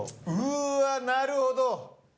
うわなるほど！